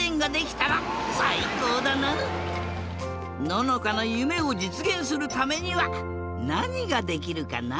ののかのゆめをじつげんするためにはなにができるかな？